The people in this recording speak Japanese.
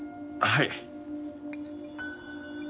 はい。